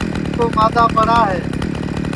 ہُوں تو مادؔا پڑا ہے